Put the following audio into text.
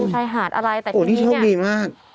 ห้องชายหาดอะไรโอ้โฮที่ช่องดีมาก